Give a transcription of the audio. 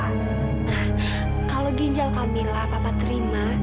nah kalau ginjal camilla papa terima